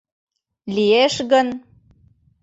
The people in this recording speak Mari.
— Лиеш гын...